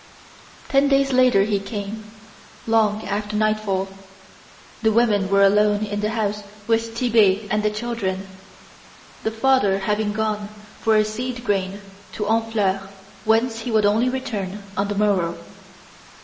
Ten days later he came, long after nightfall. The women were alone in the house with Tit'Bé and the children, the father having gone for seed grain to Honfleur whence he would only return on the morrow.